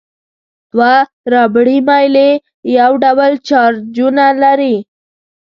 دوه ربړي میلې یو ډول چارجونه لري.